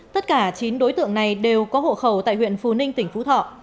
tất cả chín đối tượng này đều có hộ khẩu tại huyện phù ninh tỉnh phú thỏ